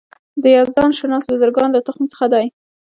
د یزدان شناس بزرګانو له تخم څخه دی.